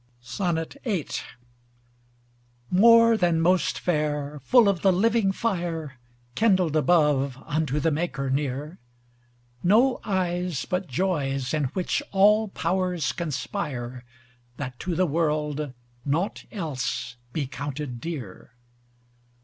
VIII More than most fair, full of the living fire, Kindled above unto the maker near: No eyes but joys, in which all powers conspire, That to the world naught else be counted dear.